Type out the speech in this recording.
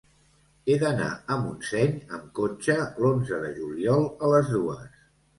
He d'anar a Montseny amb cotxe l'onze de juliol a les dues.